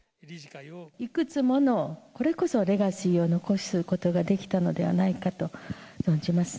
いくつものこれこそレガシーを残すことができたのではないかと存じます。